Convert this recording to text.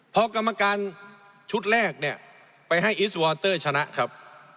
พอกรรมการชุดแรกเนี่ยไปให้อิสวอเตอร์ชนะครับ